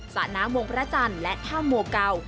สระน้ำวงพระราชันและห้ามโมเก่า